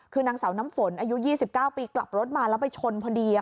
คือนางสาวน้ำฝนอายุ๒๙ปีกลับรถมาแล้วไปชนพอดี